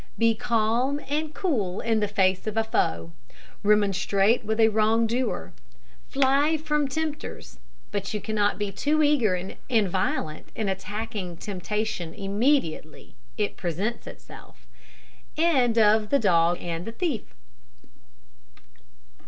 Be calm and cool in the face of a foe remonstrate with a wrong doer fly from tempters; but you cannot be too eager and violent in attacking temptation immediately it presents itself.